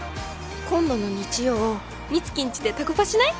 「今度の日曜美月ん家でタコパしない？」